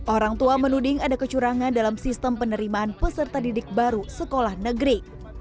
orang tua menuding ada kecurangan dalam sistem penerimaan peserta didik baru sekolah negeri